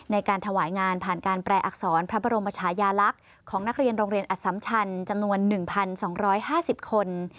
ในการถวายงานผ่านการแปลอักษรพระบรมชายาลักษณ์ของนักเรียนโรงเรียนอสัมชันจำนวน๑๒๕๐คน